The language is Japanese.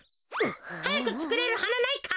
はやくつくれるはなないか？